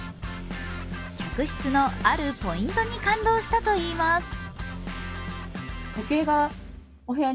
客室のあるポイントに感動したといいます。